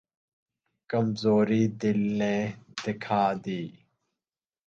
کمزوری دل نے دکھا دی۔